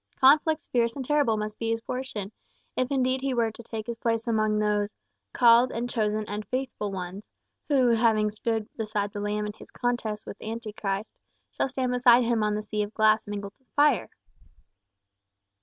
Conflicts fierce and terrible must be his portion, if indeed he were to take his place amongst those "called and chosen and faithful" ones who, having stood beside the Lamb in his contest with Antichrist, shall stand beside him on the sea of glass mingled with fire.